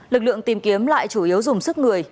lực lượng tìm kiếm lại chủ yếu dùng sức người